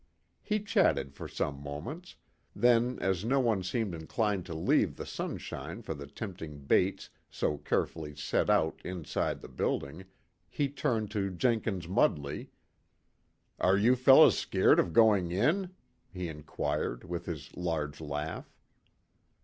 He chatted for some moments, then, as no one seemed inclined to leave the sunshine for the tempting baits so carefully set out inside the building, he turned to Jenkins Mudley "Are you fellows scared of going in?" he inquired, with his large laugh.